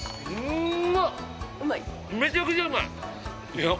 めちゃくちゃうまい！